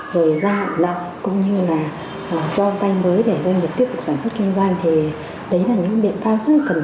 rồi ra ảnh nợ cũng như là cho tay mới để doanh nghiệp tiếp tục sản xuất kinh doanh